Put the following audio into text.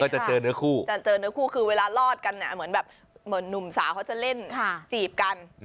ก็จะเจอเนื้อคู่คือเวลารอดกันเหมือนหนุ่มสาวเขาจะเล่นจีบกัน